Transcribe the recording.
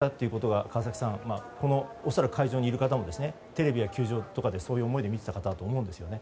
そういうファンと一緒に野球を盛り上げたことは川崎さん、恐らく会場にいる方もテレビや球場とかでそういう思いで見ていた方もいると思うんですよね。